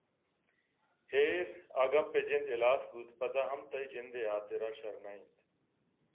حیر! آ گپ ءِ جند ہلاس بوت پدا ہم تئی جند ءِ حاترا شر نہ اِنت